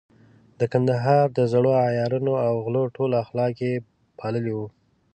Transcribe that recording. د کندهار د زړو عیارانو او غلو ټول اخلاق يې پاللي وو.